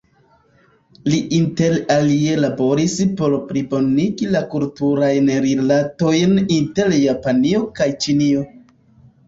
Li inter alie laboris por plibonigi la kulturajn rilatojn inter Japanio kaj Ĉinio.